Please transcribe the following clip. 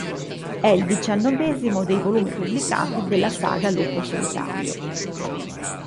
È il diciannovesimo dei volumi pubblicati della saga Lupo Solitario.